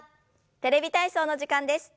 「テレビ体操」の時間です。